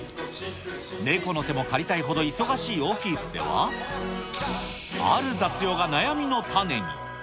猫の手も借りたいほど忙しいオフィスでは、ある雑用が悩みの種に。